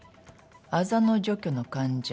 「痣の除去の患者」。